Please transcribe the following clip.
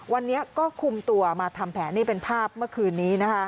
วันนี้ก็คุมตัวมาทำแผนนี่เป็นภาพเมื่อคืนนี้